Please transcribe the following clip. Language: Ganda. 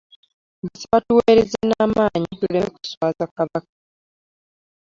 Mbasaba tuweereze n'amaanyi tuleme kuswaaza kabaka